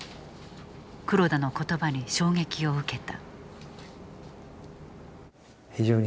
黒田の言葉に衝撃を受けた。